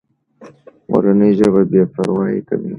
مورنۍ ژبه بې پروایي کموي.